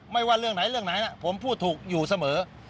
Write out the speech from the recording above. ว่าเรื่องไหนเรื่องไหนผมพูดถูกอยู่เสมอ